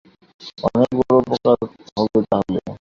অনেক বড় উপকার হবে তাহলে।